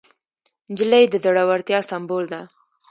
نجلۍ د زړورتیا سمبول ده.